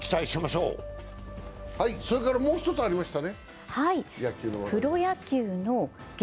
それからもう１つありましたね、野球の話題。